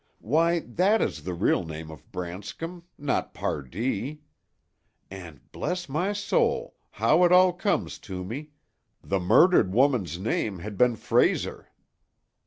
"Why, that is the real name of Branscom—not Pardee. And—bless my soul! how it all comes to me—the murdered woman's name had been Frayser!"